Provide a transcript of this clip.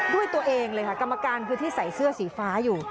ด้วยตัวเองเลยค่ะกรรมการคือที่ใส่เสื้อสีฟ้าอยู่